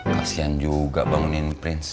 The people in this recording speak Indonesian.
kasian juga bangunin prince